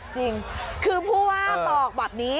จริงคือผู้ว่าบอกแบบนี้